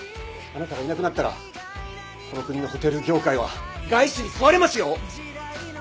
あなたがいなくなったらこの国のホテル業界は外資に食われますよ！